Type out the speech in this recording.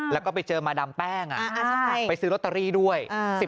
แล้วก็ไปเจอมาดามแป้งไปซื้อลอตเตอรี่ด้วย